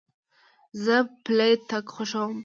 زه پلي تګ خوښوم.